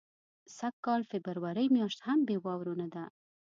سږ کال فبرورۍ میاشت هم بې واورو نه ده.